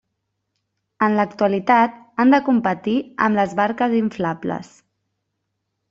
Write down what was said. En l’actualitat han de competir amb les barques inflables.